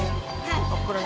hah kok keren aja